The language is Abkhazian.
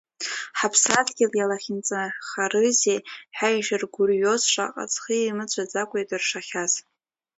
Ҳаԥсадгьыл иалахьынҵахарызеи ҳәа ишыргәырҩоз, шаҟа ҵхы имыцәаӡакәа идыршахьаз.